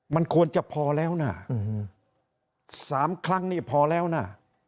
มันควรจะพอแล้วนะ๓ครั้งนี่พอแล้วนะ